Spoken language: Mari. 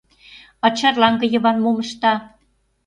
А Чарлаҥге Йыван мом ышта?